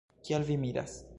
Kial vi miras?